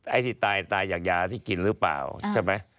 ไอ้ที่ตายตายจากยาที่กินหรือเปล่าใช่ไหม